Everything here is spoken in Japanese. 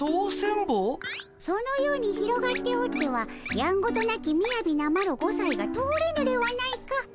そのように広がっておってはやんごとなきみやびなマロ５さいが通れぬではないか。